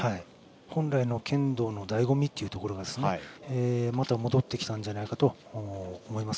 本来の剣道のだいご味というところがまた戻ってきたんじゃないかと思います。